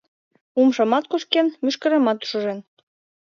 — Умшамат кошкен, мӱшкыремат шужен.